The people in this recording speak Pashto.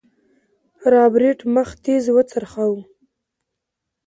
رابرټ مخ تېز وڅرخوه.